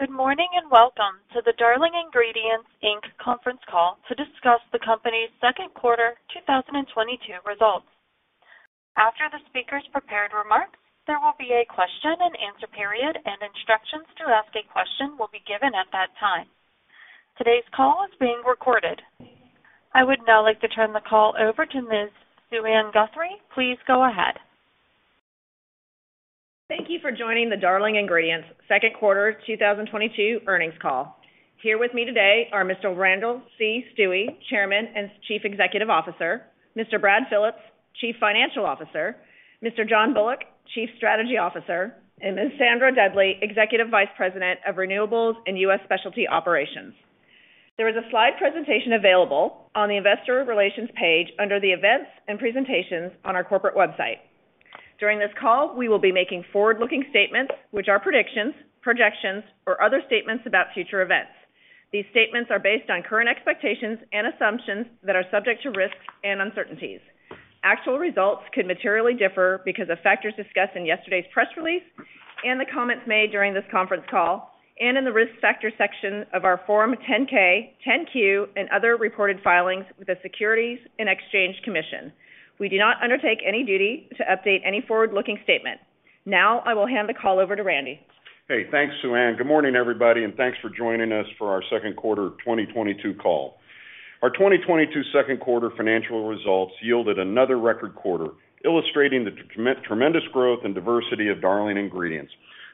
Good morning, and welcome to the Darling Ingredients Inc. conference call to discuss the company's second quarter 2022 results. After the speakers' prepared remarks, there will be a question-and-answer period, and instructions to ask a question will be given at that time. Today's call is being recorded. I would now like to turn the call over to Ms. Suann Guthrie. Please go ahead. Thank you for joining the Darling Ingredients second quarter 2022 earnings call. Here with me today are Mr. Randall C. Stuewe, Chairman and Chief Executive Officer, Mr. Brad Phillips, Chief Financial Officer, Mr. John Bullock, Chief Strategy Officer, and Ms. Sandra Dudley, Executive Vice President of Renewables and U.S. Specialty Operations. There is a slide presentation available on the investor relations page under the events and presentations on our corporate website. During this call, we will be making forward-looking statements which are predictions, projections, or other statements about future events. These statements are based on current expectations and assumptions that are subject to risks and uncertainties. Actual results could materially differ because of factors discussed in yesterday's press release and the comments made during this conference call and in the Risk Factors section of our Form 10-K, 10-Q, and other reported filings with the Securities and Exchange Commission. We do not undertake any duty to update any forward-looking statement. Now I will hand the call over to Randy. Hey, thanks, Suann. Good morning, everybody, and thanks for joining us for our second quarter of 2022 call. Our 2022 second quarter financial results yielded another record quarter, illustrating the tremendous growth and diversity of Darling Ingredients.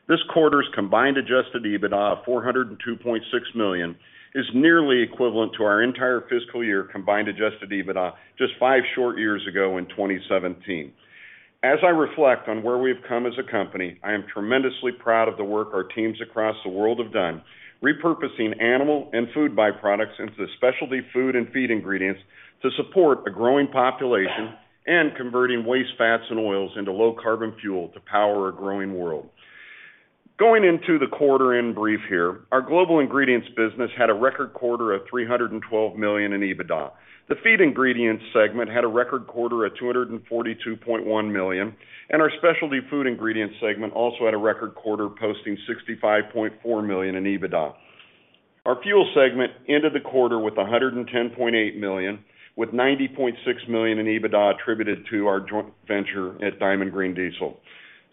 This quarter's combined adjusted EBITDA of $402.6 million is nearly equivalent to our entire fiscal year combined adjusted EBITDA just five short years ago in 2017. As I reflect on where we've come as a company, I am tremendously proud of the work our teams across the world have done, repurposing animal and food by-products into specialty food and feed ingredients to support a growing population and converting waste fats and oils into low carbon fuel to power a growing world. Going into the quarter in brief here, our Global Ingredients business had a record quarter of $312 million in EBITDA. The Feed Ingredients segment had a record quarter at $242.1 million, and our specialty Food Ingredients segment also had a record quarter, posting $65.4 million in EBITDA. Our Fuel Ingredients segment ended the quarter with $110.8 million, with $90.6 million in EBITDA attributed to our joint venture at Diamond Green Diesel.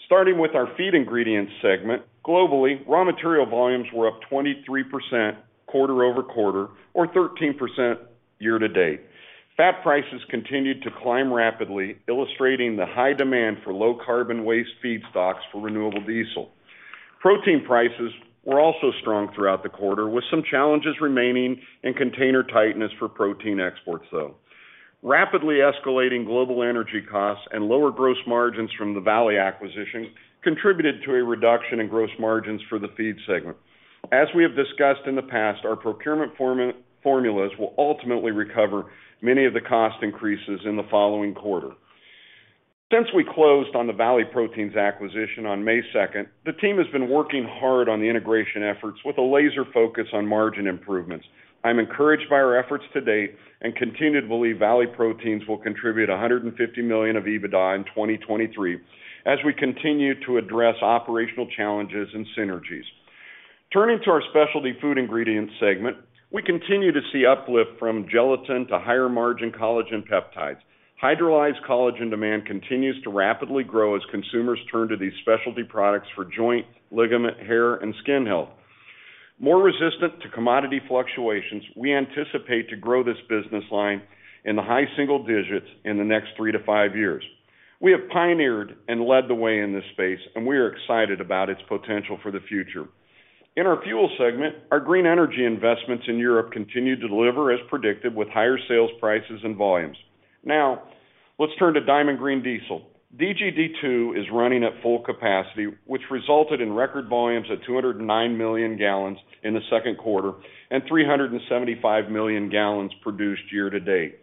Starting with our Feed Ingredients segment, globally, raw material volumes were up 23% quarter-over-quarter or 13% year-to-date. Fat prices continued to climb rapidly, illustrating the high demand for low carbon waste feedstocks for renewable diesel. Protein prices were also strong throughout the quarter, with some challenges remaining in container tightness for protein exports, though. Rapidly escalating global energy costs and lower gross margins from the Valley Proteins acquisition contributed to a reduction in gross margins for the Feed Ingredients segment. As we have discussed in the past, our procurement formulas will ultimately recover many of the cost increases in the following quarter. Since we closed on the Valley Proteins acquisition on May 2nd, the team has been working hard on the integration efforts with a laser focus on margin improvements. I'm encouraged by our efforts to date and continue to believe Valley Proteins will contribute $150 million of EBITDA in 2023 as we continue to address operational challenges and synergies. Turning to our specialty Food Ingredients segment, we continue to see uplift from gelatin to higher margin collagen peptides. Hydrolyzed collagen demand continues to rapidly grow as consumers turn to these specialty products for joint, ligament, hair, and skin health. More resistant to commodity fluctuations, we anticipate to grow this business line in the high single digits in the next three to five years. We have pioneered and led the way in this space, and we are excited about its potential for the future. In our Fuel segment, our green energy investments in Europe continue to deliver as predicted, with higher sales prices and volumes. Now let's turn to Diamond Green Diesel. DGD 2 is running at full capacity, which resulted in record volumes of 209 million gallons in the second quarter and 375 million gallons produced year to date.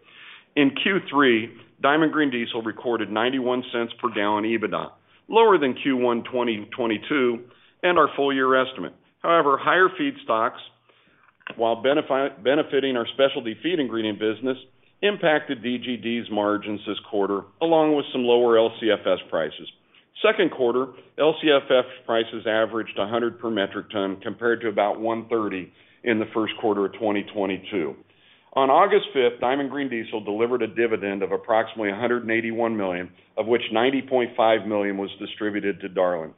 In Q3, Diamond Green Diesel recorded $0.91 per gallon EBITDA, lower than Q1 2022 and our full year estimate. However, higher feedstocks, while benefiting our specialty Feed Ingredient business, impacted DGD's margins this quarter, along with some lower LCFS prices. Second quarter, LCFS prices averaged 100 per metric ton compared to about 130 in the first quarter of 2022. On August 5th, Diamond Green Diesel delivered a dividend of approximately $181 million, of which $90.5 million was distributed to Darling.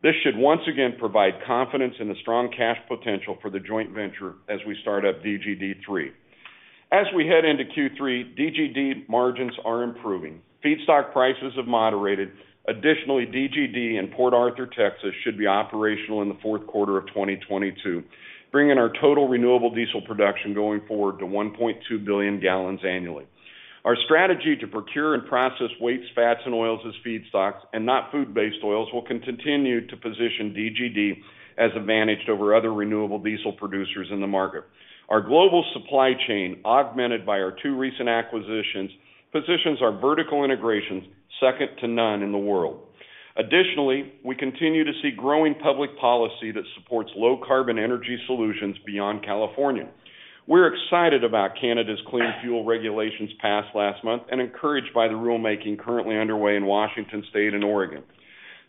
This should once again provide confidence in the strong cash potential for the joint venture as we start up DGD 3. As we head into Q3, DGD margins are improving. Feedstock prices have moderated. Additionally, DGD in Port Arthur, Texas, should be operational in the fourth quarter of 2022, bringing our total renewable diesel production going forward to 1.2 billion gallons annually. Our strategy to procure and process waste fats and oils as feedstocks and not food-based oils will continue to position DGD as advantaged over other renewable diesel producers in the market. Our global supply chain, augmented by our two recent acquisitions, positions our vertical integrations second to none in the world. Additionally, we continue to see growing public policy that supports low carbon energy solutions beyond California. We're excited about Canada's Clean Fuel Regulations passed last month and encouraged by the rulemaking currently underway in Washington State and Oregon.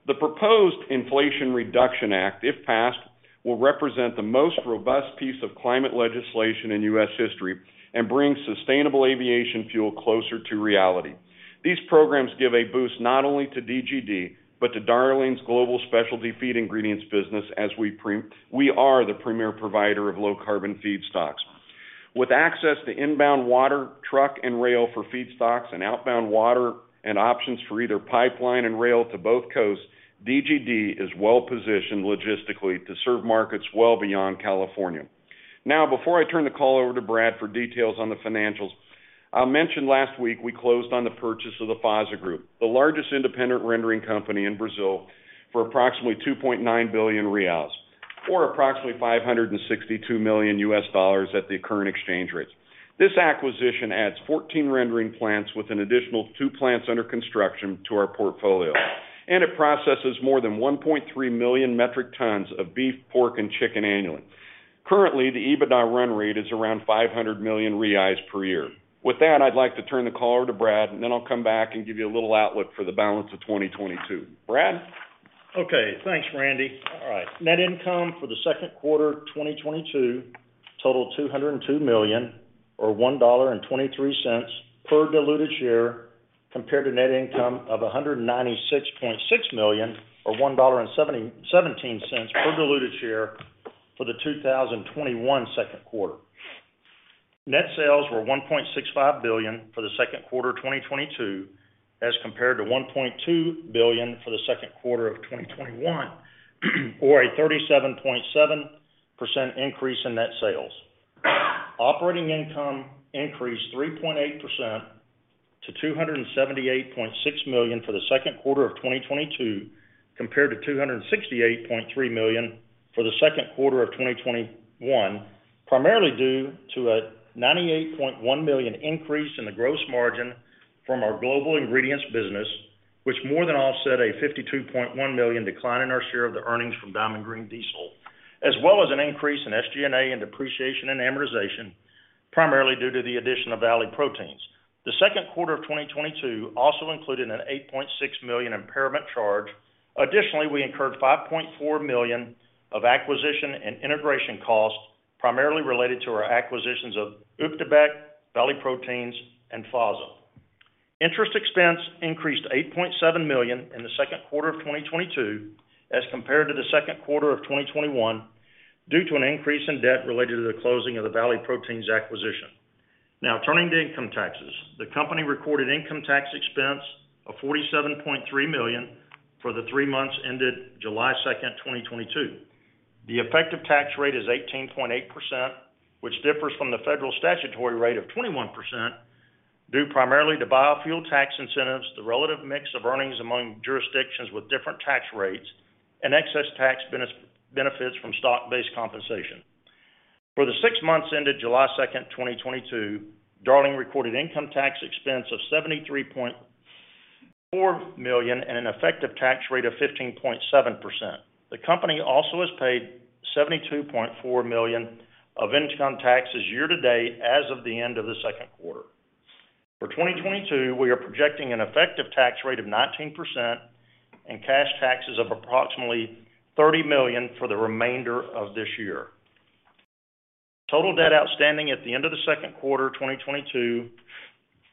The proposed Inflation Reduction Act, if passed, will represent the most robust piece of climate legislation in U.S. history and bring sustainable aviation fuel closer to reality. These programs give a boost not only to DGD, but to Darling's Global Specialty Feed Ingredients business as we are the premier provider of low carbon feedstocks. With access to inbound water, truck, and rail for feedstocks and outbound water and options for either pipeline and rail to both coasts, DGD is well-positioned logistically to serve markets well beyond California. Now, before I turn the call over to Brad for details on the financials, I mentioned last week we closed on the purchase of the FASA Group, the largest independent rendering company in Brazil, for approximately 2.9 billion reais, or approximately $562 million at the current exchange rates. This acquisition adds 14 rendering plants with an additional two plants under construction to our portfolio, and it processes more than 1.3 million metric tons of beef, pork, and chicken annually. Currently, the EBITDA run rate is around 500 million reais per year. With that, I'd like to turn the call over to Brad, and then I'll come back and give you a little outlook for the balance of 2022. Brad? Okay, thanks, Randy. All right. Net income for the second quarter 2022 totaled $202 million or $1.23 per diluted share compared to net income of $196.6 million or $1.17 per diluted share for the 2021 second quarter. Net sales were $1.65 billion for the second quarter of 2022, as compared to $1.2 billion for the second quarter of 2021, or a 37.7% increase in net sales. Operating income increased 3.8% to $278.6 million for the second quarter of 2022, compared to $268.3 million for the second quarter of 2021, primarily due to a $98.1 million increase in the gross margin from our Global Ingredients business, which more than offset a $52.1 million decline in our share of the earnings from Diamond Green Diesel, as well as an increase in SG&A and depreciation and amortization, primarily due to the addition of Valley Proteins. The second quarter of 2022 also included an $8.6 million impairment charge. Additionally, we incurred $5.4 million of acquisition and integration costs, primarily related to our acquisitions of Op de Beeck, Valley Proteins, and FASA. Interest expense increased to $8.7 million in the second quarter of 2022 as compared to the second quarter of 2021 due to an increase in debt related to the closing of the Valley Proteins acquisition. Now turning to income taxes. The company recorded income tax expense of $47.3 million for the three months ended July 2nd, 2022. The effective tax rate is 18.8%, which differs from the federal statutory rate of 21%, due primarily to biofuel tax incentives, the relative mix of earnings among jurisdictions with different tax rates, and excess tax benefits from stock-based compensation. For the six months ended July 2nd, 2022, Darling recorded income tax expense of $73.4 million and an effective tax rate of 15.7%. The company also has paid $72.4 million of income taxes year to date as of the end of the second quarter. For 2022, we are projecting an effective tax rate of 19% and cash taxes of approximately $30 million for the remainder of this year. Total debt outstanding at the end of the second quarter 2022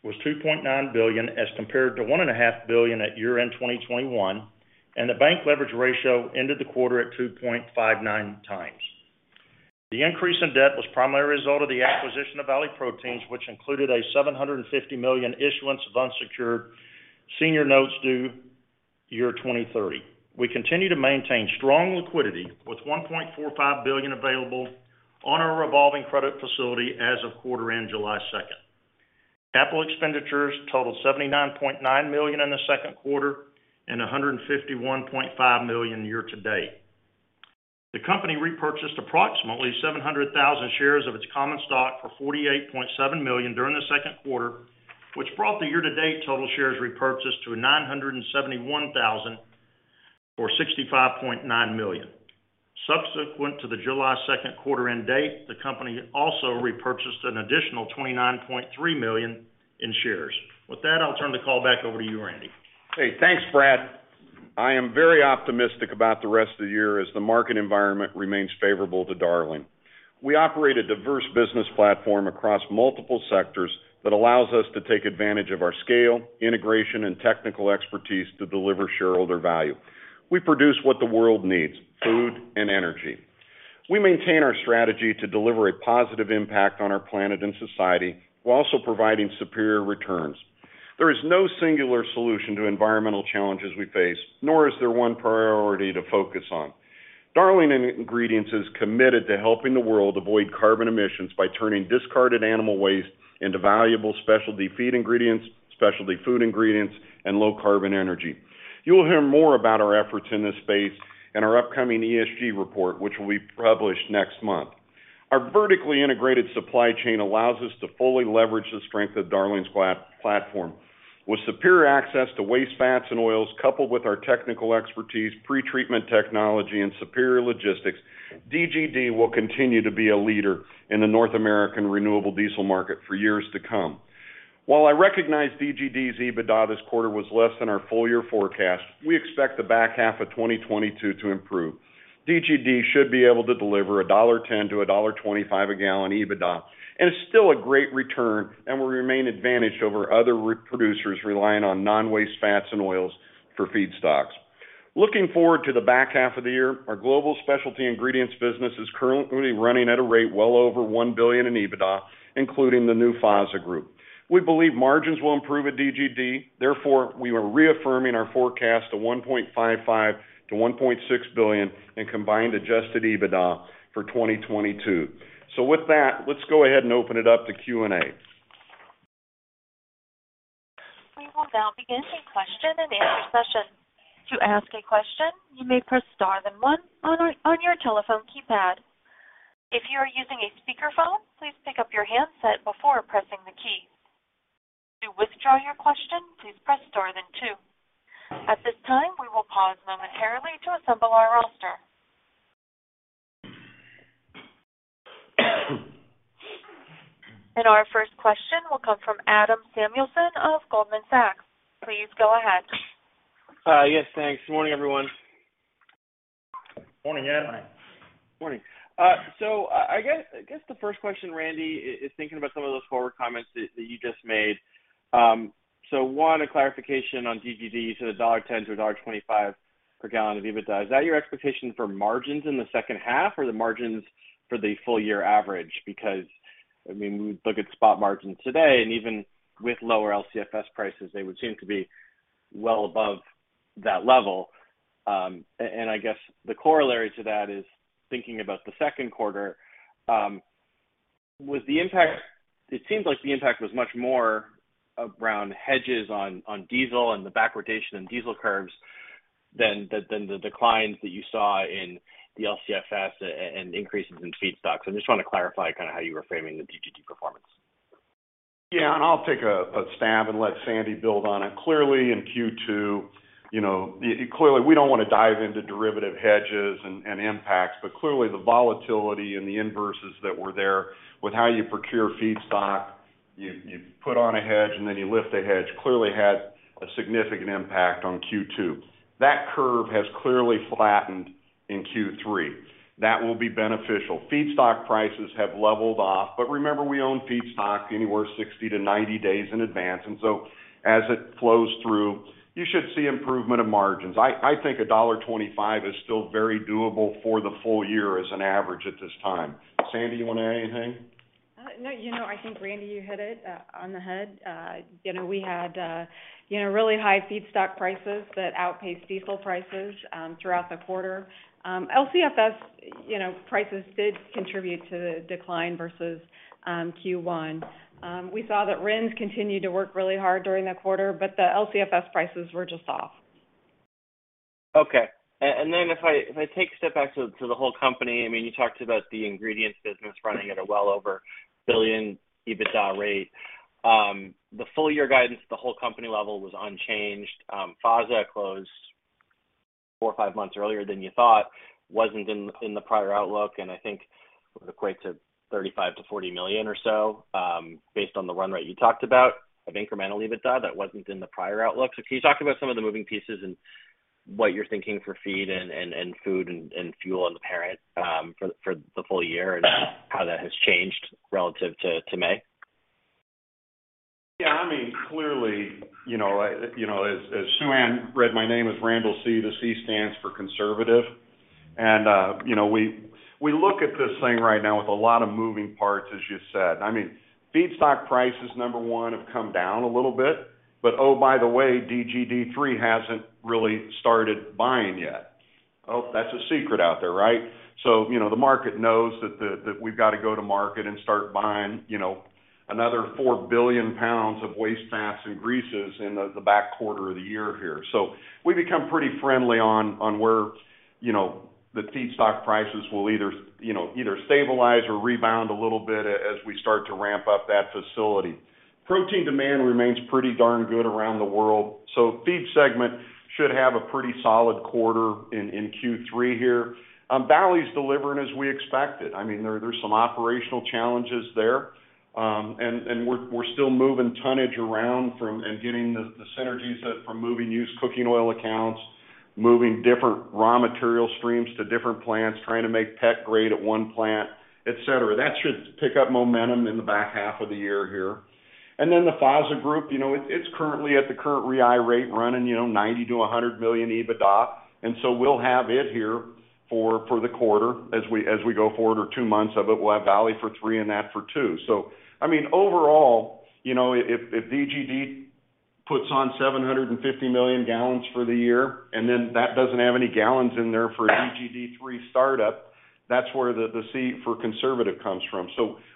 was $2.9 billion as compared to $1.5 billion at year-end 2021, and the bank leverage ratio ended the quarter at 2.59x. The increase in debt was primarily a result of the acquisition of Valley Proteins, which included a $750 million issuance of unsecured senior notes due 2030. We continue to maintain strong liquidity with $1.45 billion available on our revolving credit facility as of quarter end July 2nd. Capital expenditures totaled $79.9 million in the second quarter and $151.5 million year-to-date. The company repurchased approximately 700,000 shares of its common stock for $48.7 million during the second quarter, which brought the year-to-date total shares repurchased to 971,000 or $65.9 million. Subsequent to the July second quarter end date, the company also repurchased an additional $29.3 million in shares. With that, I'll turn the call back over to you, Randy. Hey, thanks, Brad. I am very optimistic about the rest of the year as the market environment remains favorable to Darling. We operate a diverse business platform across multiple sectors that allows us to take advantage of our scale, integration, and technical expertise to deliver shareholder value. We produce what the world needs, food and energy. We maintain our strategy to deliver a positive impact on our planet and society while also providing superior returns. There is no singular solution to environmental challenges we face, nor is there one priority to focus on. Darling Ingredients is committed to helping the world avoid carbon emissions by turning discarded animal waste into valuable specialty feed ingredients, specialty food ingredients, and low carbon energy. You will hear more about our efforts in this space in our upcoming ESG report, which will be published next month. Our vertically integrated supply chain allows us to fully leverage the strength of Darling's platform. With superior access to waste fats and oils, coupled with our technical expertise, pretreatment technology, and superior logistics, DGD will continue to be a leader in the North American renewable diesel market for years to come. While I recognize DGD's EBITDA this quarter was less than our full year forecast, we expect the back half of 2022 to improve. DGD should be able to deliver $1.10 a gallon-$1.25 a gallon EBITDA, and it's still a great return, and we remain advantaged over other producers relying on non-waste fats and oils for feedstocks. Looking forward to the back half of the year, our Global Specialty Ingredients business is currently running at a rate well over $1 billion in EBITDA, including the new FASA Group. We believe margins will improve at DGD. Therefore, we are reaffirming our forecast to $1.55 billion-$1.6 billion in combined adjusted EBITDA for 2022. With that, let's go ahead and open it up to Q&A. We will now begin the question and answer session. To ask a question, you may press star then one on your telephone keypad. If you are using a speaker phone, please pick up your handset before pressing the key. To withdraw your question, please press star then two. At this time, we will pause momentarily to assemble our roster. Our first question will come from Adam Samuelson of Goldman Sachs. Please go ahead. Yes, thanks. Good morning, everyone. Morning, Adam. Morning. Morning. I guess the first question, Randy, is thinking about some of those forward comments that you just made. One, a clarification on DGD. The $1.10 per gallon-$1.25 per gallon EBITDA, is that your expectation for margins in the second half or the margins for the full year average? Because, I mean, we look at spot margins today, and even with lower LCFS prices, they would seem to be well above that level. And I guess the corollary to that is thinking about the second quarter. It seems like the impact was much more around hedges on diesel and the backwardation in diesel curves than the declines that you saw in the LCFS and increases in feedstocks. I just wanna clarify kinda how you were framing the DGD performance. Yeah, I'll take a stab and let Sandy build on it. Clearly, in Q2, you know, clearly, we don't wanna dive into derivative hedges and impacts, but clearly the volatility and the inverses that were there with how you procure feedstock, you put on a hedge and then you lift a hedge, clearly had a significant impact on Q2. That curve has clearly flattened in Q3. That will be beneficial. Feedstock prices have leveled off, but remember, we own feedstock anywhere 60 days-90 days in advance. You should see improvement of margins. I think $1.25 is still very doable for the full year as an average at this time. Sandy, you wanna add anything? No. You know, I think Randy you hit it on the head. You know, we had really high feedstock prices that outpaced diesel prices throughout the quarter. LCFS, you know, prices did contribute to the decline versus Q1. We saw that RINs continued to work really hard during the quarter, but the LCFS prices were just off. Okay. And then if I take a step back to the whole company, I mean, you talked about the Ingredients business running at a well over $1 billion EBITDA rate. The full year guidance at the whole company level was unchanged. FASA closed four or five months earlier than you thought, wasn't in the prior outlook, and I think it would equate to $35 million-$40 million or so, based on the run rate you talked about of incremental EBITDA that wasn't in the prior outlook. Can you talk about some of the moving pieces and what you're thinking for feed and food and fuel and the parent for the full year and how that has changed relative to May? I mean, clearly, you know, as Suann read my name is Randall C., the C stands for conservative. You know, we look at this thing right now with a lot of moving parts, as you said. I mean, feedstock prices, number one, have come down a little bit. Oh, by the way, DGD3 hasn't really started buying yet. Oh, that's a secret out there, right? You know, the market knows that we've got to go to market and start buying, you know, another 4 billion pounds of waste fats and greases in the back quarter of the year here. We become pretty friendly on where, you know, the feedstock prices will either stabilize or rebound a little bit as we start to ramp up that facility. Protein demand remains pretty darn good around the world, so Feed segment should have a pretty solid quarter in Q3 here. Valley's delivering as we expected. I mean, there's some operational challenges there. We're still moving tonnage around and getting the synergies from moving used cooking oil accounts, moving different raw material streams to different plants, trying to make pet grade at one plant, et cetera. That should pick up momentum in the back half of the year here. The FASA Group, you know, it's currently at the current run rate running, you know, $90 million-$100 million EBITDA. We'll have it here for the quarter as we go forward, or two months of it. We'll have Valley for three and that for two. I mean, overall, you know, if DGD puts on 750 million gallons for the year, and then that doesn't have any gallons in there for DGD3 startup, that's where the C for conservative comes from.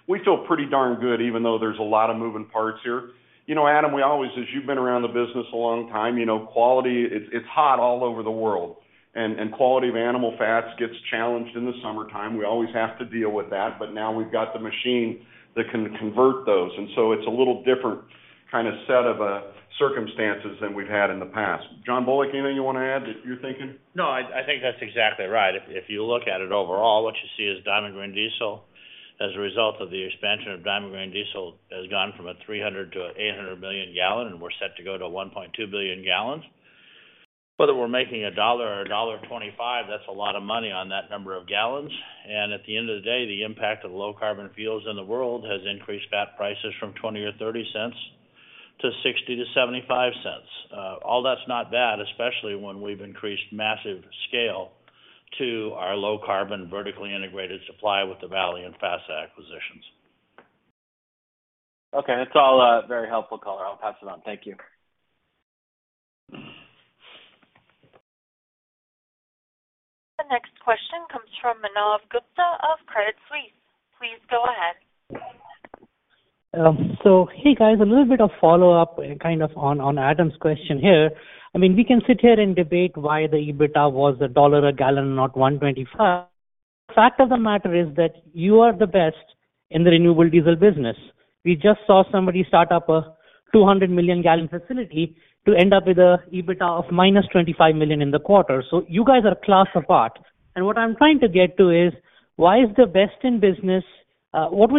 We feel pretty darn good, even though there's a lot of moving parts here. You know, Adam, we always, as you've been around the business a long time, you know, quality, it's hot all over the world, and quality of animal fats gets challenged in the summertime. We always have to deal with that. Now we've got the machine that can convert those, and so it's a little different kind of set of circumstances than we've had in the past. John Bullock, anything you wanna add that you're thinking? No, I think that's exactly right. If you look at it overall, what you see is Diamond Green Diesel as a result of the expansion of Diamond Green Diesel, has gone from a 300-million gallon to 800-million gallon, and we're set to go to 1.2 billion gallons. Whether we're making $1 or $1.25, that's a lot of money on that number of gallons. At the end of the day, the impact of low carbon fuels in the world has increased fat prices from $0.20 or $0.30 to $0.60 to $0.75. All that's not bad, especially when we've increased massive scale to our low carbon vertically integrated supply with the Valley and FASA acquisitions. Okay. That's all, very helpful color. I'll pass it on. Thank you. The next question comes from Manav Gupta of Credit Suisse. Please go ahead. Hey guys, a little bit of follow-up kind of on Adam's question here. I mean, we can sit here and debate why the EBITDA was $1 a gallon, not $1.25 a gallon. Fact of the matter is that you are the best in the Renewable Diesel business. We just saw somebody start up a 200 million gallon facility to end up with a EBITDA of -$25 million in the quarter. You guys are a class apart. What I'm trying to get to is, what will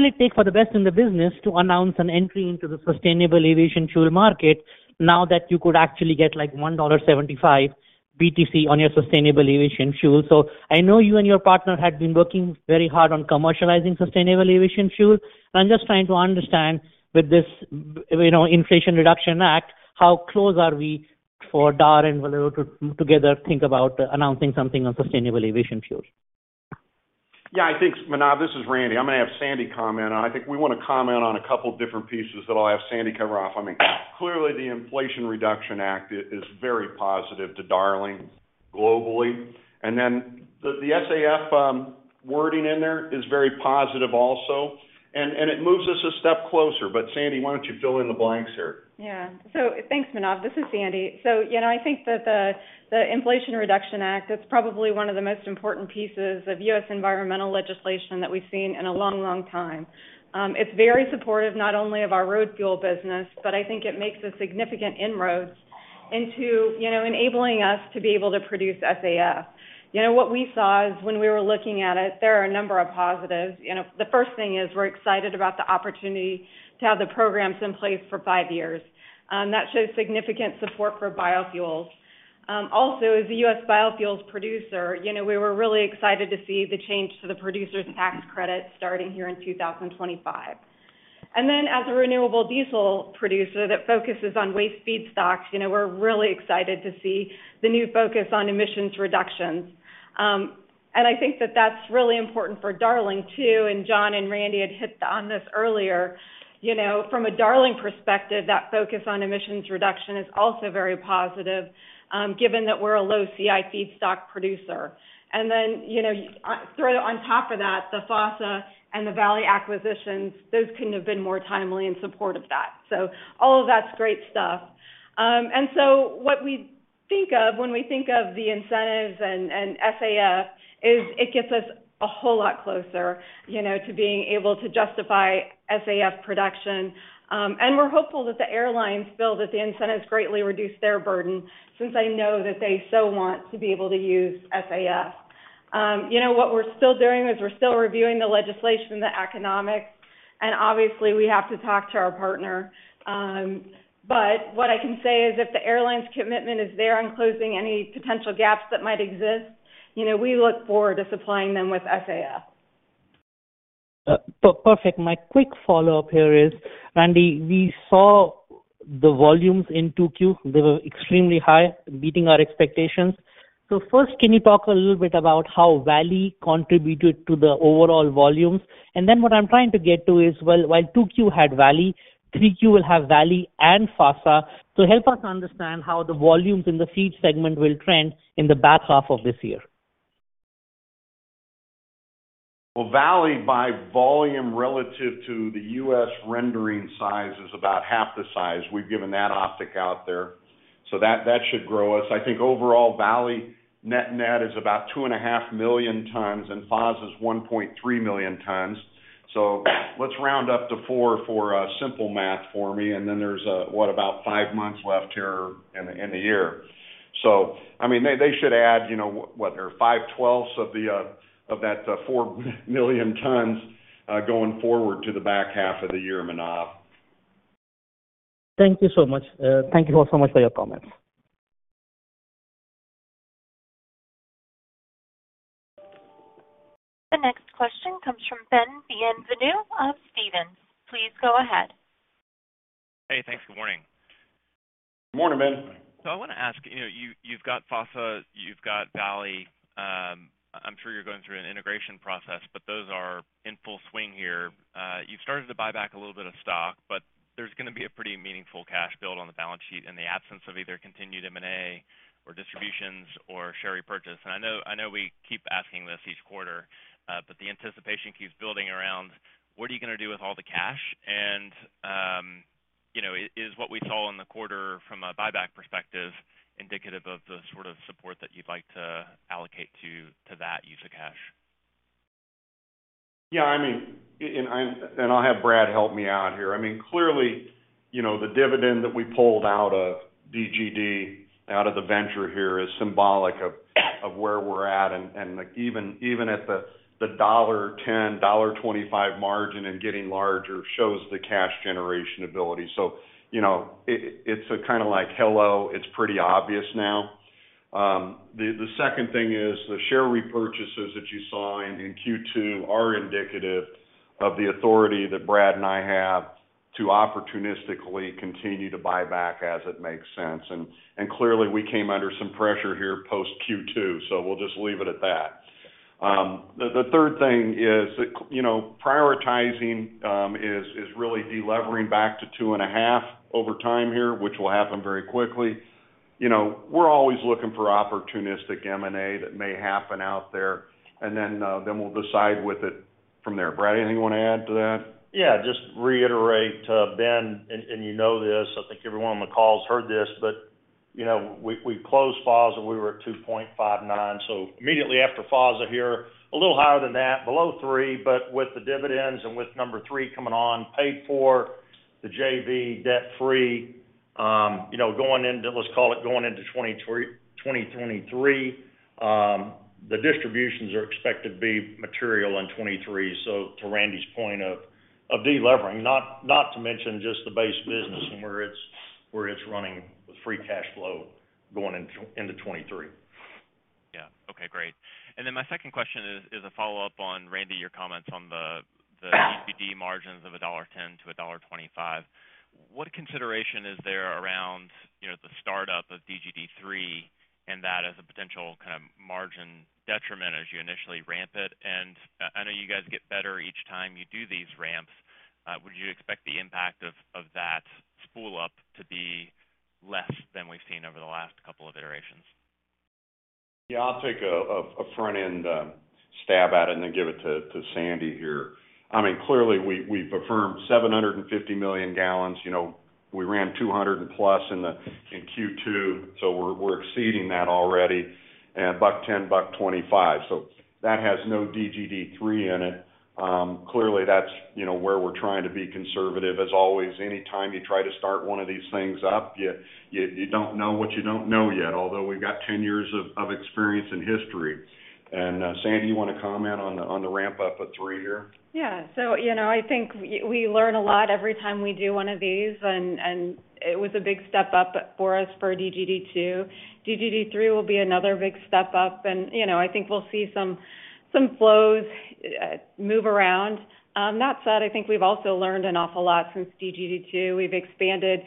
it take for the best in the business to announce an entry into the sustainable aviation fuel market now that you could actually get like $1.75 BTC on your sustainable aviation fuel. I know you and your partner had been working very hard on commercializing sustainable aviation fuel. I'm just trying to understand with this, you know, Inflation Reduction Act, how close are we for Darling to be able to together think about announcing something on sustainable aviation fuels? Yeah, I think Manav, this is Randy. I'm gonna have Sandy comment. I think we wanna comment on a couple different pieces that I'll have Sandy cover off on. I mean, clearly the Inflation Reduction Act is very positive to Darling globally. Then the SAF wording in there is very positive also, and it moves us a step closer. Sandy, why don't you fill in the blanks here? Yeah. Thanks, Manav. This is Sandy. You know, I think that the Inflation Reduction Act is probably one of the most important pieces of U.S. environmental legislation that we've seen in a long, long time. It's very supportive not only of our road Fuel business, but I think it makes a significant inroads into, you know, enabling us to be able to produce SAF. You know, what we saw is when we were looking at it, there are a number of positives. You know, the first thing is we're excited about the opportunity to have the programs in place for five years, that shows significant support for biofuels. Also, as a U.S. biofuels producer, you know, we were really excited to see the change to the Producer's Tax Credit starting here in 2025. As a renewable diesel producer that focuses on waste feedstocks, you know, we're really excited to see the new focus on emissions reductions. I think that that's really important for Darling too. John and Randy had hit on this earlier. You know, from a Darling perspective, that focus on emissions reduction is also very positive, given that we're a low CI feedstock producer. You know, throw on top of that the FASA and the Valley acquisitions, those couldn't have been more timely in support of that. All of that's great stuff. What we think of when we think of the incentives and SAF is it gets us a whole lot closer, you know, to being able to justify SAF production. We're hopeful that the airlines feel that the incentives greatly reduce their burden since I know that they so want to be able to use SAF. You know, what we're still doing is we're still reviewing the legislation, the economics, and obviously we have to talk to our partner. What I can say is if the airline's commitment is there on closing any potential gaps that might exist, you know, we look forward to supplying them with SAF. Perfect. My quick follow-up here is, Randy, we saw the volumes in 2Q. They were extremely high, beating our expectations. First, can you talk a little bit about how Valley contributed to the overall volumes? What I'm trying to get to is, well, while 2Q had Valley, 3Q will have Valley and FASA. Help us understand how the volumes in the Feed segment will trend in the back half of this year. Well, Valley by volume relative to the U.S. rendering size is about half the size. We've given that optics out there. That should grow us. I think overall, Valley net is about 2.5 million tons, and FASA is 1.3 million tons. Let's round up to 4 million tons for simple math for me. Then there's what? About five months left here in a year. I mean, they should add, you know, 5/12 of that 4 million tons going forward to the back half of the year, Manav. Thank you so much. Thank you all so much for your comments. The next question comes from Ben Bienvenu of Stephens. Please go ahead. Hey, thanks. Good morning. Good morning, Ben. I wanna ask, you know, you've got FASA, you've got Valley, I'm sure you're going through an integration process, but those are in full swing here. You started to buy back a little bit of stock, but there's gonna be a pretty meaningful cash build on the balance sheet in the absence of either continued M&A or distributions or share repurchase. I know we keep asking this each quarter, but the anticipation keeps building around what are you gonna do with all the cash? You know, is what we saw in the quarter from a buyback perspective indicative of the sort of support that you'd like to allocate to that use of cash? Yeah, I mean, and I'll have Brad help me out here. I mean, clearly, you know, the dividend that we pulled out of DGD, out of the venture here is symbolic of where we're at. Like, even at the $1.10, $2.25 margin and getting larger shows the cash generation ability. You know, it's kind of like, hello, it's pretty obvious now. The second thing is the share repurchases that you saw in Q2 are indicative of the authority that Brad and I have to opportunistically continue to buy back as it makes sense. Clearly we came under some pressure here post Q2, so we'll just leave it at that. The third thing is that, you know, prioritizing is really de-levering back to 2.5 over time here, which will happen very quickly. You know, we're always looking for opportunistic M&A that may happen out there, and then we'll decide with it from there. Brad, anything you wanna add to that? Yeah, just reiterate, Ben, and you know this. I think everyone on the call has heard this, but you know, we closed FASA. We were at 2.59. Immediately after FASA here, a little higher than that, below 3, but with the dividends and with number three coming on, paid for the JV debt-free, you know, going into, let's call it, going into 2023. The distributions are expected to be material in 2023. To Randy's point of de-levering, not to mention just the base business and where it's running with free cash flow going into 2023. Yeah. Okay, great. My second question is a follow-up on, Randy, your comments on the DGD margins of $1.10-$1.25. What consideration is there around, you know, the startup of DGD 3 and that as a potential kind of margin detriment as you initially ramp it? I know you guys get better each time you do these ramps. Would you expect the impact of that spool up to be less than we've seen over the last couple of iterations? Yeah, I'll take a front end stab at it and then give it to Sandy here. I mean, clearly we've affirmed 750 million gallons. You know, we ran 200+ million gallons in Q2, so we're exceeding that already at $1.10, $1.25. So that has no DGD 3 in it. Clearly that's where we're trying to be conservative. As always, any time you try to start one of these things up, you don't know what you don't know yet, although we've got 10 years of experience and history. Sandy, you wanna comment on the ramp up of DGD 3 here? Yeah. You know, I think we learn a lot every time we do one of these, and it was a big step up for us for DGD 2. DGD 3 will be another big step up and, you know, I think we'll see some flows move around. That said, I think we've also learned an awful lot since DGD 2. We've expanded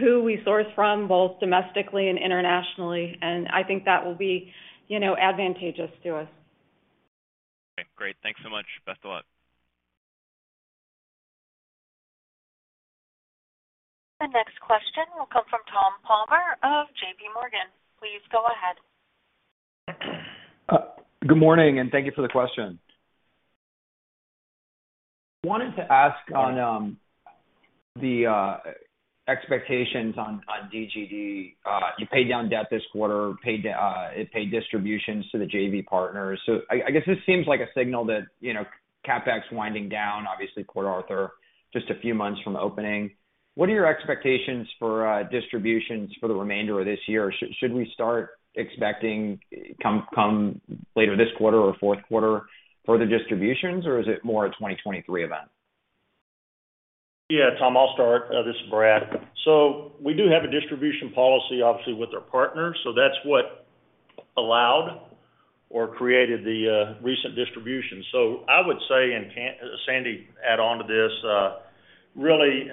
who we source from, both domestically and internationally, and I think that will be, you know, advantageous to us. Okay, great. Thanks so much. Best of luck. The next question will come from Tom Palmer of JPMorgan. Please go ahead. Good morning, and thank you for the question. Wanted to ask on the expectations on DGD. You paid down debt this quarter, it paid distributions to the JV partners. This seems like a signal that, you know, CapEx winding down, obviously Port Arthur just a few months from opening. What are your expectations for distributions for the remainder of this year? Should we start expecting come later this quarter or fourth quarter further distributions, or is it more a 2023 event? Yeah, Tom, I'll start. This is Brad. We do have a distribution policy, obviously, with our partners, so that's what allowed or created the recent distribution. I would say, and Sandy add on to this, really,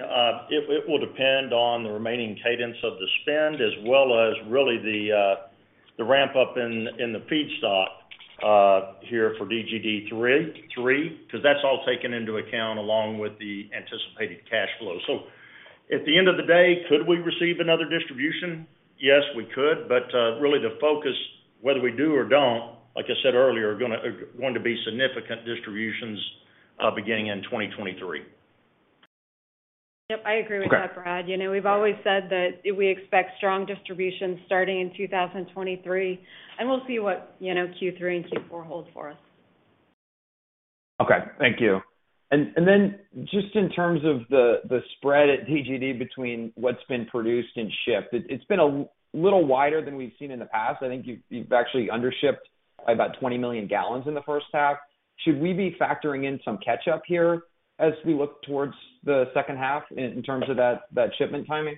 it will depend on the remaining cadence of the spend as well as really the ramp-up in the feedstock here for DGD 3, 'cause that's all taken into account along with the anticipated cash flow. At the end of the day, could we receive another distribution? Yes, we could. Really the focus whether we do or don't, like I said earlier, going to be significant distributions beginning in 2023. Yep, I agree with that, Brad. Okay. You know, we've always said that we expect strong distribution starting in 2023, and we'll see what, you know, Q3 and Q4 hold for us. Okay. Thank you. Then just in terms of the spread at DGD between what's been produced and shipped, it's been a little wider than we've seen in the past. I think you've actually undershipped by about 20 million gallons in the first half. Should we be factoring in some catch-up here as we look towards the second half in terms of that shipment timing?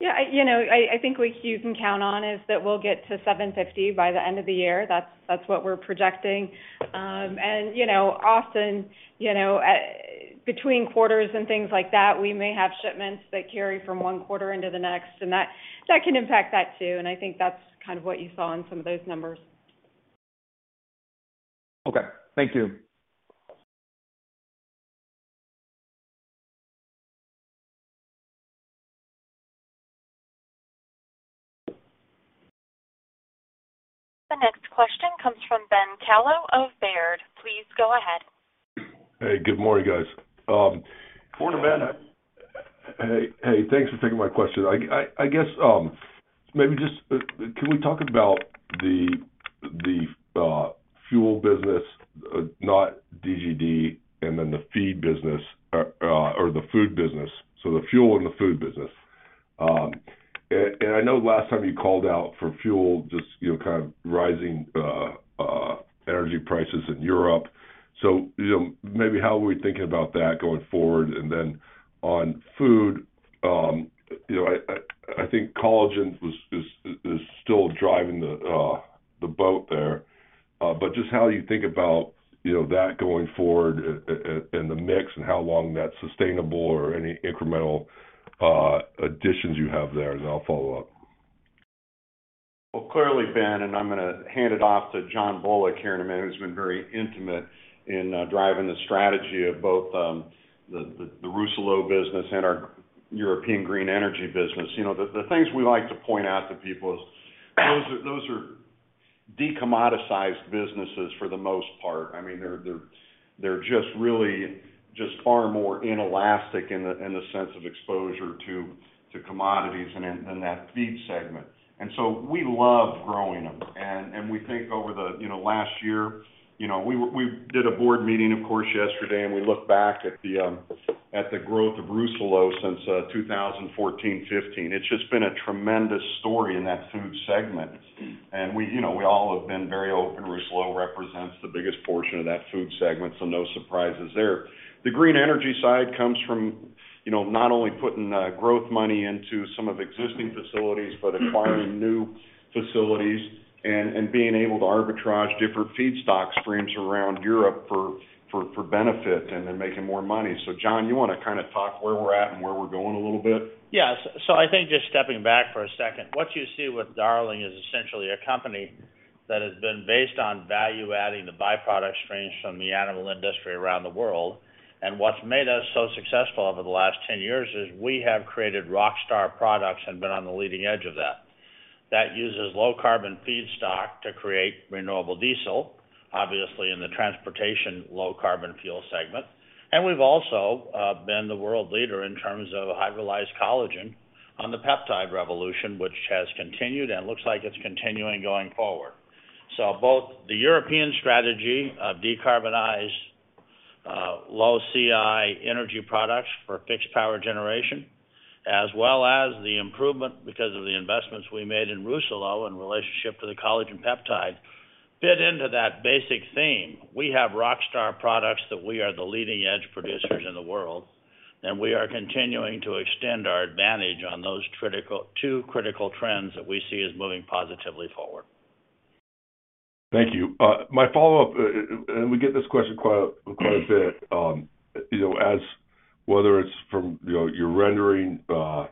Yeah, you know, I think what you can count on is that we'll get to 750 million gallons by the end of the year. That's what we're projecting. Between quarters and things like that, we may have shipments that carry from one quarter into the next, and that can impact that too. I think that's kind of what you saw in some of those numbers. Okay. Thank you. The next question comes from Ben Kallo of Baird. Please go ahead. Hey, good morning, guys. Morning, Ben. Hey, thanks for taking my question. I guess maybe just can we talk about the Fuel business, not DGD, and then the Feed business or the Food business. The Fuel and the Food business. I know last time you called out for fuel, just you know kind of rising energy prices in Europe. You know, maybe how are we thinking about that going forward? Then on food, you know, I think collagen is still driving the boat there. But just how you think about you know that going forward in the mix and how long that's sustainable or any incremental additions you have there, and then I'll follow up. Well, clearly, Ben, and I'm gonna hand it off to John Bullock here in a minute, who's been very instrumental in driving the strategy of both the Rousselot business and our European Green Energy business. You know, the things we like to point out to people is those are de-commoditized businesses for the most part. I mean, they're just really far more inelastic in the sense of exposure to commodities than that Feed Ingredients. We love growing them. We think over the last year, we did a board meeting, of course, yesterday, and we looked back at the growth of Rousselot since 2014, 2015. It's just been a tremendous story in that Food segment. We, you know, we all have been very open. Rousselot represents the biggest portion of that Food segment, so no surprises there. The green energy side comes from, you know, not only putting growth money into some of existing facilities, but acquiring new facilities and being able to arbitrage different feedstock streams around Europe for benefit and then making more money. John, you wanna kinda talk where we're at and where we're going a little bit? Yes. I think just stepping back for a second, what you see with Darling is essentially a company that has been based on value-adding the by-product streams from the animal industry around the world. What's made us so successful over the last 10 years is we have created rockstar products and been on the leading edge of that. That uses low-carbon feedstock to create renewable diesel, obviously in the transportation low-carbon Fuel Ingredients. We've also been the world leader in terms of hydrolyzed collagen on the peptide revolution, which has continued and looks like it's continuing going forward. Both the European strategy of decarbonized low CI energy products for fixed power generation, as well as the improvement because of the investments we made in Rousselot in relationship to the collagen peptide fit into that basic theme. We have rockstar products that we are the leading edge producers in the world, and we are continuing to extend our advantage on those two critical trends that we see as moving positively forward. Thank you. My follow-up, and we get this question quite a bit, you know, as to whether it's from your rendering or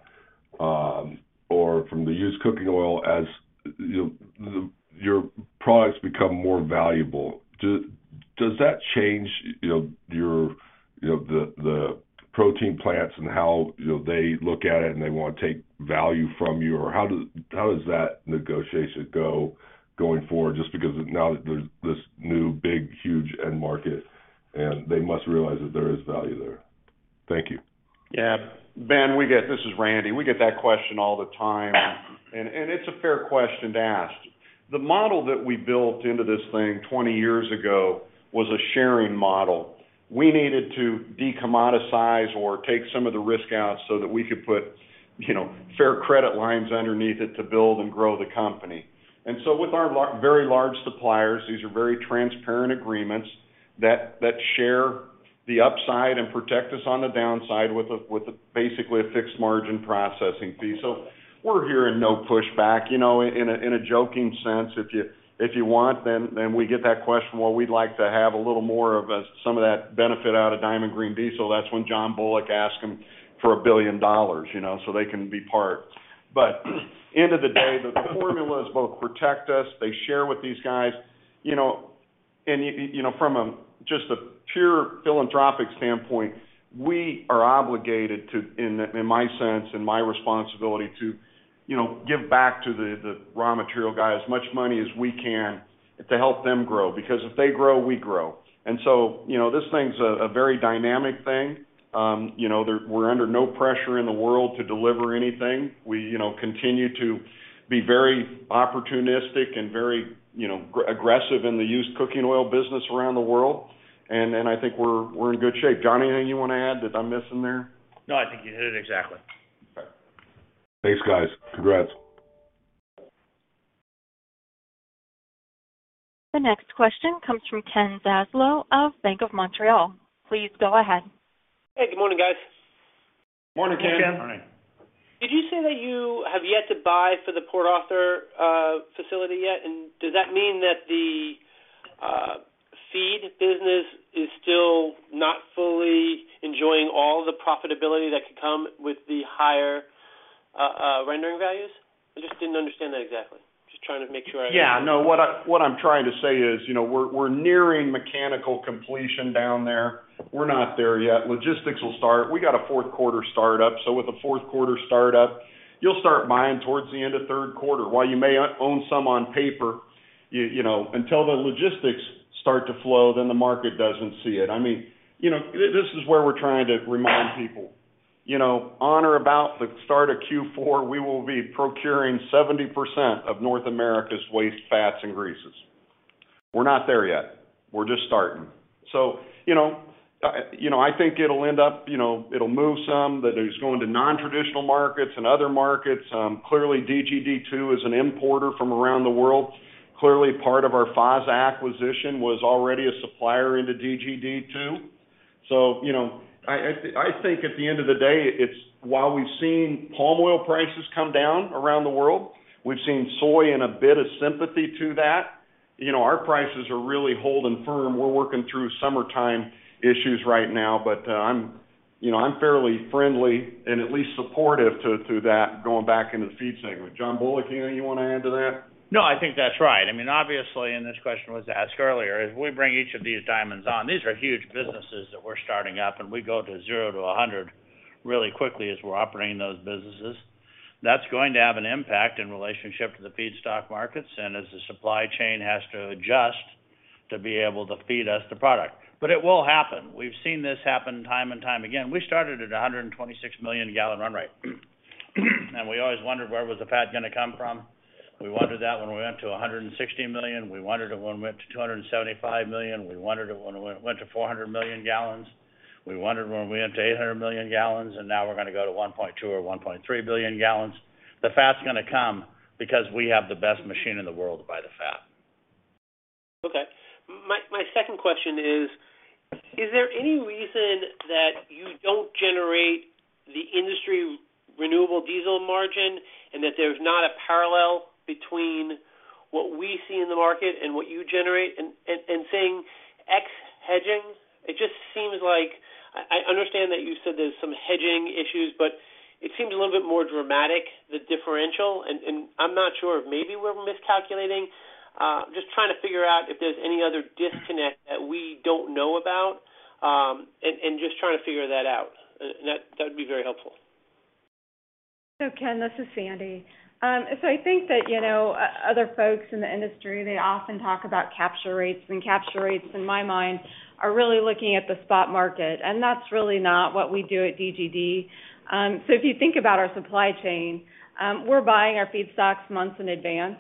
from the used cooking oil as your products become more valuable. Does that change your protein plants and how they look at it and they wanna take value from you? Or how does that negotiation go forward? Just because now that there's this new, big, huge end market, and they must realize that there is value there. Thank you. Yeah. Ben, this is Randy. We get that question all the time. It's a fair question to ask. The model that we built into this thing 20 years ago was a sharing model. We needed to decommoditize or take some of the risk out so that we could put, you know, fair credit lines underneath it to build and grow the company. With our very large suppliers, these are very transparent agreements that share the upside and protect us on the downside with basically a fixed margin processing fee. We're hearing no pushback. You know, in a joking sense, if you want, then we get that question, "Well, we'd like to have a little more of some of that benefit out of Diamond Green Diesel." That's when John Bullock asks them for $1 billion, you know, so they can be part. But at the end of the day, the formulas both protect us, they share with these guys. You know, and you know, from just a pure philanthropic standpoint, we are obligated to, in my sense and my responsibility to, you know, give back to the raw material guy as much money as we can to help them grow. Because if they grow, we grow. You know, this thing's a very dynamic thing. You know, we're under no pressure in the world to deliver anything. We, you know, continue to be very opportunistic and very, you know, aggressive in the used cooking oil business around the world. I think we're in good shape. John, anything you wanna add that I'm missing there? No, I think you hit it exactly. Okay. Thanks, guys. Congrats. The next question comes from Ken Zaslow of Bank of Montreal. Please go ahead. Hey, good morning, guys. Morning, Ken. Morning. Did you say that you have yet to buy for the Port Arthur facility yet? Does that mean that the Feed business is still not fully enjoying all the profitability that could come with the higher rendering values? I just didn't understand that exactly. Just trying to make sure. Yeah. No, what I'm trying to say is, you know, we're nearing mechanical completion down there. We're not there yet. Logistics will start. We got a fourth quarter start-up. With a fourth quarter start-up, you'll start buying towards the end of third quarter. While you may own some on paper, you know, until the logistics start to flow, then the market doesn't see it. I mean, you know, this is where we're trying to remind people. You know, on or about the start of Q4, we will be procuring 70% of North America's waste fats and greases. We're not there yet. We're just starting. You know, I think it'll end up. You know, it'll move some that is going to non-traditional markets and other markets. Clearly, DGD 2 is an importer from around the world. Clearly, part of our FASA acquisition was already a supplier into DGD 2. You know, I think at the end of the day, it's while we've seen palm oil prices come down around the world, we've seen soy and a bit of sympathy to that. You know, our prices are really holding firm. We're working through summertime issues right now. I'm you know, I'm fairly friendly and at least supportive to that going back into the Feed segment. John Bullock, anything you wanna add to that? No, I think that's right. I mean, obviously, this question was asked earlier, as we bring each of these diamonds on, these are huge businesses that we're starting up, and we go to zero to a hundred really quickly as we're operating those businesses. That's going to have an impact in relationship to the feedstock markets and as the supply chain has to adjust to be able to feed us the product. It will happen. We've seen this happen time and time again. We started at a 126 million gallon run rate. We always wondered where was the fat gonna come from. We wondered that when we went to a 160 million gallon. We wondered it when we went to 275 million gallon. We wondered it when we went to 400 million gallons. We wondered when we went to 800 million gallons, and now we're gonna go to 1.2 billion gallons or 1.3 billion gallons. The fat's gonna come because we have the best machine in the world to buy the fat. Okay. My second question is there any reason that you don't generate the industry renewable diesel margin, and that there's not a parallel between what we see in the market and what you generate and saying ex hedging? It just seems like I understand that you said there's some hedging issues, but it seems a little bit more dramatic, the differential. I'm not sure if maybe we're miscalculating. Just trying to figure out if there's any other disconnect that we don't know about, and just trying to figure that out. That'd be very helpful. Ken, this is Sandy. I think that, you know, other folks in the industry, they often talk about capture rates, and capture rates, in my mind, are really looking at the spot market, and that's really not what we do at DGD. If you think about our supply chain, we're buying our feedstocks months in advance.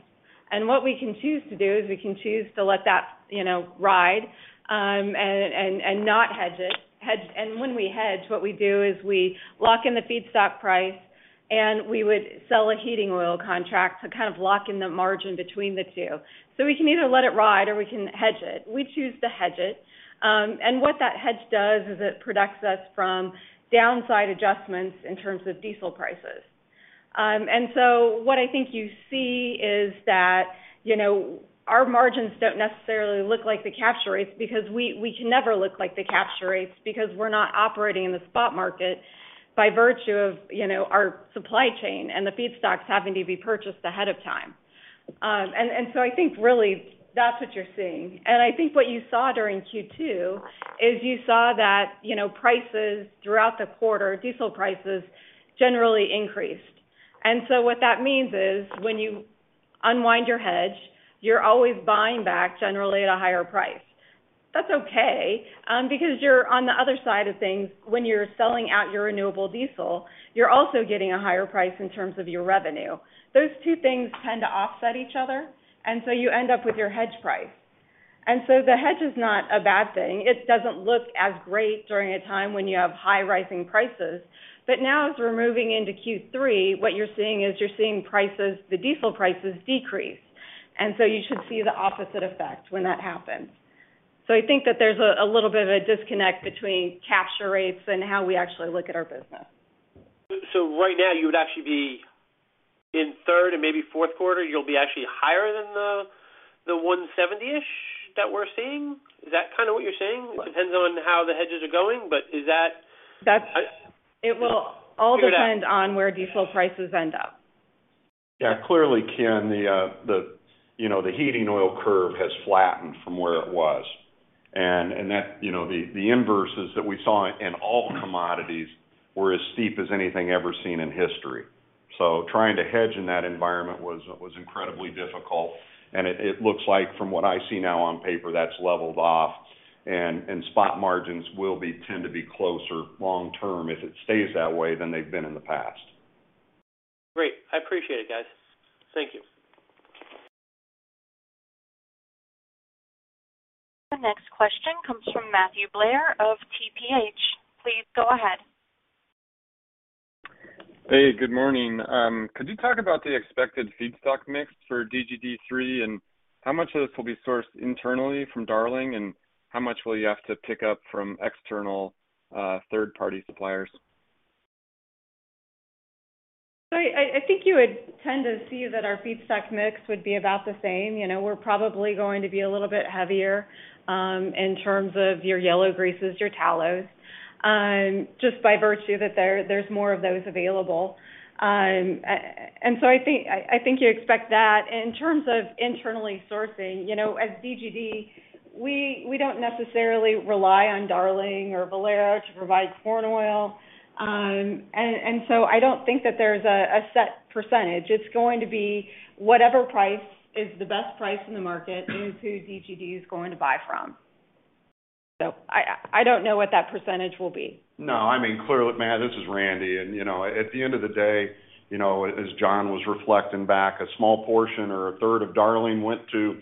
What we can choose to do is we can choose to let that, you know, ride, and not hedge it. When we hedge, what we do is we lock in the feedstock price, and we would sell a heating oil contract to kind of lock in the margin between the two. We can either let it ride or we can hedge it. We choose to hedge it. What that hedge does is it protects us from downside adjustments in terms of diesel prices. What I think you see is that, you know, our margins don't necessarily look like the capture rates because we can never look like the capture rates because we're not operating in the spot market by virtue of, you know, our supply chain and the feedstocks having to be purchased ahead of time. I think really that's what you're seeing. I think what you saw during Q2 is you saw that, you know, prices throughout the quarter, diesel prices generally increased. What that means is when you unwind your hedge, you're always buying back generally at a higher price. That's okay, because you're on the other side of things. When you're selling out your renewable diesel, you're also getting a higher price in terms of your revenue. Those two things tend to offset each other, and so you end up with your hedge price. The hedge is not a bad thing. It doesn't look as great during a time when you have high rising prices. Now as we're moving into Q3, what you're seeing is prices, the diesel prices decrease. You should see the opposite effect when that happens. I think that there's a little bit of a disconnect between capture rates and how we actually look at our business. Right now you would actually be in third and maybe fourth quarter, you'll be actually higher than the 170-ish that we're seeing? Is that kinda what you're saying? It depends on how the hedges are going, but is that- It will all depend on where diesel prices end up. Yeah. Clearly, Ken, the heating oil curve has flattened from where it was. That, you know, the inversions that we saw in all commodities were as steep as anything ever seen in history. Trying to hedge in that environment was incredibly difficult. It looks like from what I see now on paper, that's leveled off and spot margins will tend to be closer long term if it stays that way than they've been in the past. Great. I appreciate it, guys. Thank you. The next question comes from Matthew Blair of TPH. Please go ahead. Hey, good morning. Could you talk about the expected feedstock mix for DGD 3 and how much of this will be sourced internally from Darling and how much will you have to pick up from external, third-party suppliers? I think you would tend to see that our feedstock mix would be about the same. You know, we're probably going to be a little bit heavier in terms of your yellow greases, your tallows, just by virtue that there's more of those available. I think you expect that. In terms of internally sourcing, you know, as DGD, we don't necessarily rely on Darling or Valley to provide corn oil. I don't think that there's a set percentage. It's going to be whatever price is the best price in the market and who DGD is going to buy from. I don't know what that percentage will be. No, I mean, clearly, Matt, this is Randy. You know, at the end of the day, you know, as John was reflecting back, a small portion or a third of Darling went to,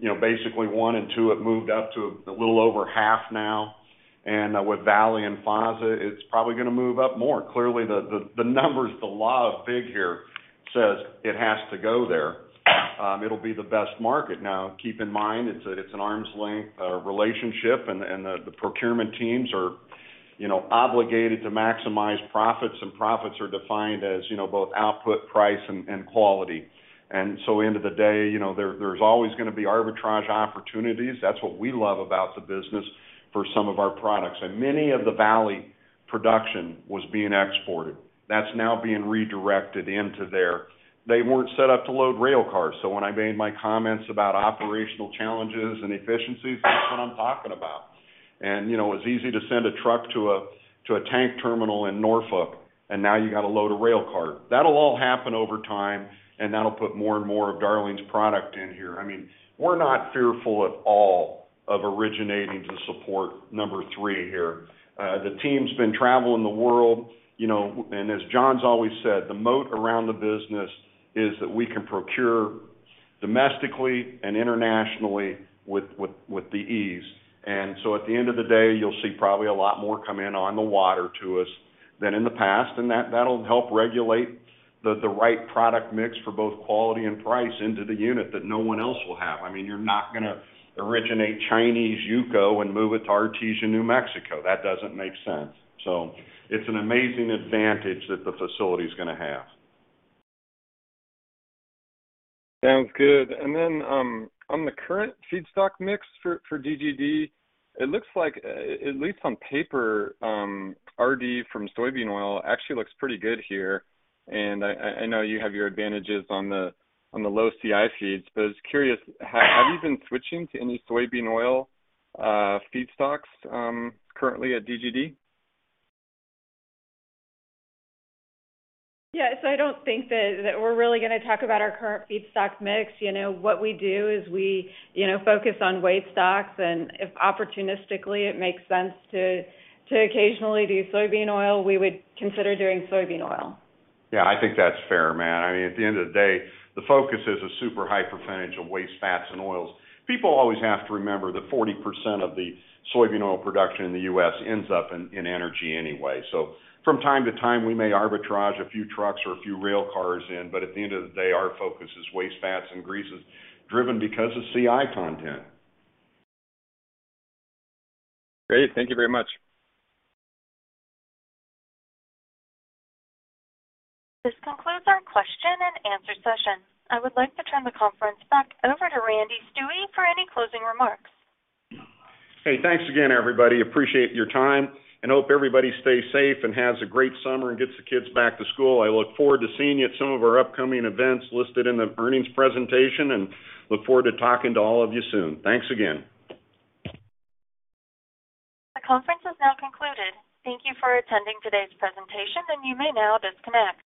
you know, basically one and two, it moved up to a little over half now. With Valley and FASA, it's probably gonna move up more. Clearly, the numbers, the law of big here says it has to go there. It'll be the best market. Now, keep in mind, it's an arm's length relationship, and the procurement teams are, you know, obligated to maximize profits, and profits are defined as, you know, both output price and quality. End of the day, you know, there's always gonna be arbitrage opportunities. That's what we love about the business for some of our products. Many of the Valley production was being exported. That's now being redirected into there. They weren't set up to load rail cars. When I made my comments about operational challenges and efficiencies, that's what I'm talking about. You know, it's easy to send a truck to a tank terminal in Norfolk, and now you gotta load a rail cart. That'll all happen over time, and that'll put more and more of Darling's product in here. I mean, we're not fearful at all of originating to support number three here. The team's been traveling the world, you know. As John's always said, the moat around the business is that we can procure domestically and internationally with the ease. At the end of the day, you'll see probably a lot more come in on the water to us than in the past. That'll help regulate the right product mix for both quality and price into the unit that no one else will have. I mean, you're not gonna originate Chinese UCO and move it to Artesia, New Mexico. That doesn't make sense. It's an amazing advantage that the facility is gonna have. Sounds good. On the current feedstock mix for DGD, it looks like at least on paper, RD from soybean oil actually looks pretty good here. I know you have your advantages on the low CI feeds, but I was curious, have you been switching to any soybean oil feedstocks currently at DGD? Yes. I don't think that we're really gonna talk about our current feedstock mix. You know, what we do is we, you know, focus on waste stocks and if opportunistically it makes sense to occasionally do soybean oil, we would consider doing soybean oil. Yeah, I think that's fair, Matt. I mean, at the end of the day, the focus is a super high percentage of waste fats and oils. People always have to remember that 40% of the soybean oil production in the U.S. ends up in energy anyway. From time to time, we may arbitrage a few trucks or a few rail cars in, but at the end of the day, our focus is waste fats and greases driven because of CI content. Great. Thank you very much. This concludes our question and answer session. I would like to turn the conference back over to Randy Stuewe for any closing remarks. Hey, thanks again, everybody. Appreciate your time, and hope everybody stays safe and has a great summer and gets the kids back to school. I look forward to seeing you at some of our upcoming events listed in the earnings presentation, and look forward to talking to all of you soon. Thanks again. The conference has now concluded. Thank you for attending today's presentation, and you may now disconnect.